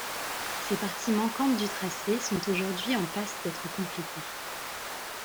Ces parties manquantes du tracées sont aujourd'hui en passe d'être complétées.